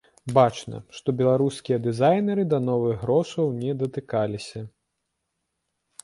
Бачна, што беларускія дызайнеры да новых грошай не датыкаліся.